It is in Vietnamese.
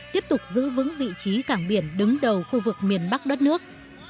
tiếp tục giữ vững vị trí cảng biển đứng đầu khu vực miền bắc đất nước